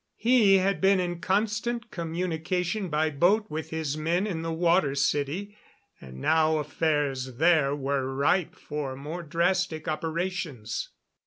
He had been in constant communication by boat with his men in the Water City; and now affairs there were ripe for more drastic operations.